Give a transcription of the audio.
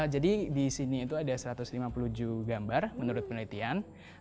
jadi di sini itu ada satu ratus lima puluh jumlah gambar menurut penelitian